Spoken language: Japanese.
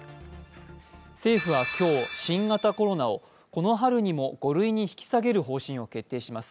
政府は今日、新型コロナをこの春にも５類に引き下げる方針を決定します